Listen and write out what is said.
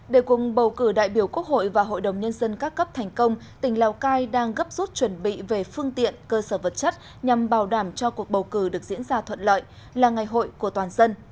để cùng bầu cử đại biểu quốc hội và hội đồng nhân dân các cấp thành công tỉnh lào cai đang gấp rút chuẩn bị về phương tiện cơ sở vật chất nhằm bảo đảm cho cuộc bầu cử được diễn ra thuận lợi là ngày hội của toàn dân